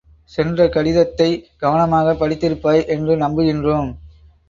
சென்ற கடிதத்தைக் கவனமாகப் படித்திருப்பாய் என்று நம்புகின்றோம்.